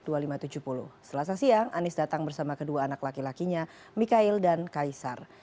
setelah sasiang anies datang bersama kedua anak laki lakinya mikhail dan kaisar